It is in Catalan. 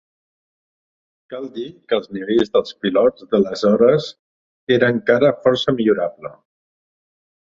Cal dir que el nivell dels pilots d'aleshores era encara força millorable.